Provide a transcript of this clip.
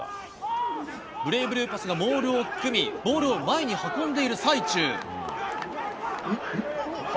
ブレイブルーパスがモールを組み、ボールを前に運んでいる最中。